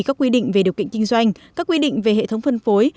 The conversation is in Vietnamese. các quy định về điều kiện kinh doanh các quy định về hệ thống phân phối